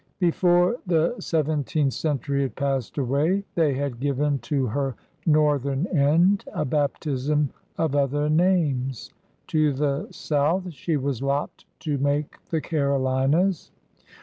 Before the seventeenth century had passed away, they had given to her northern end a baptism of other names. To the south she was lopped to make the Carolinas.